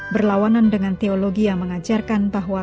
berlawanan dengan teologi yang mengajarkan bahwa